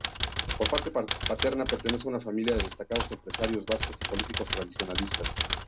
Por parte paterna pertenece a una familia de destacados empresarios vascos y políticos tradicionalistas.